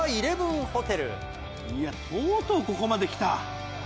とうとうここまできた！